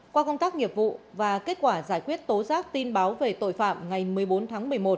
qua công tác nghiệp vụ và kết quả giải quyết tố giác tin báo về tội phạm ngày một mươi bốn tháng một mươi một